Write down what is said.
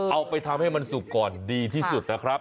เอาไปทำให้มันสุกก่อนดีที่สุดนะครับ